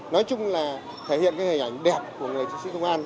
nói chung là thể hiện hình ảnh đẹp của người chiến sĩ công an